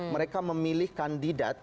mereka memilih kandidat